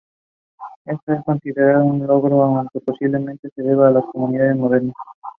The ecclesiastical parish was part of the Archdeaconry and Diocese of Hereford.